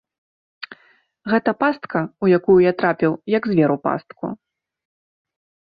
Гэта пастка, у якую я трапіў, як звер у пастку.